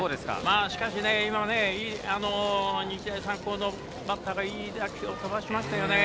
しかし、日大三高のバッターがいい打球を飛ばしましたね。